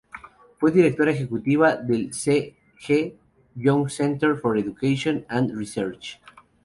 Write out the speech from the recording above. Fue directora ejecutiva del "C. G. Jung Center for Education and Research".